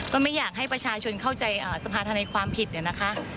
ก็ไม่อยากให้ประชาชนเข้าใจสภาธนาความผิดเนี่ยนะคะ